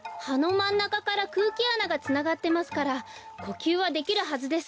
まんなかからくうきあながつながってますからこきゅうはできるはずです。